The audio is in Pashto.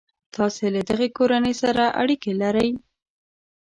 تاسي له دغه کورنۍ سره اړیکي لرئ.